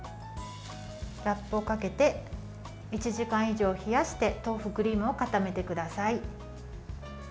ラップをかけて１時間以上冷やして豆腐クリームを固めてください。